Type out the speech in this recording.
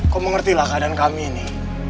kau mengertilah keadaan kami ini